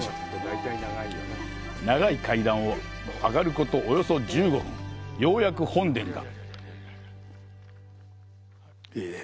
長い階段を上がることおよそ１５分、ようやく本殿が。